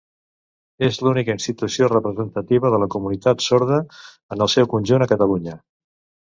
És l'única institució representativa de la comunitat sorda en el seu conjunt a Catalunya.